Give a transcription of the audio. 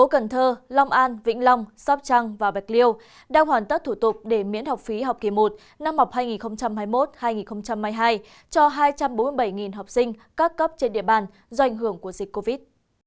cần thơ long an vĩnh long sóc trăng và bạch liêu đang hoàn tất thủ tục để miễn học phí học kỳ một năm học hai nghìn hai mươi một hai nghìn hai mươi hai cho hai trăm bốn mươi bảy học sinh các cấp trên địa bàn do ảnh hưởng của dịch covid